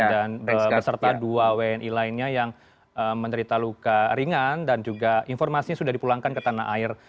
dan beserta dua wni lainnya yang menderita luka ringan dan juga informasinya sudah dipulangkan ke tanah air